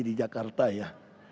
di jakarta ya